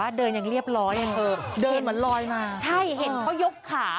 อืมนี่ฉายาครับคุณผู้ชมค่ะ